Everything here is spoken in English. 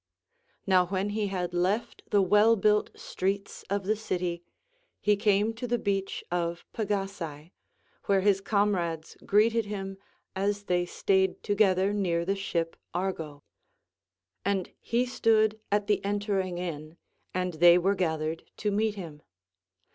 Now when he had left the well built streets of the city, he came to the beach of Pagasae, where his comrades greeted him as they stayed together near the ship Argo. And he stood at the entering in, and they were gathered to meet him.